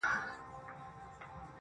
ځوان ژاړي سلگۍ وهي خبري کوي.